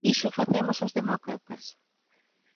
Iso facemos os demócratas.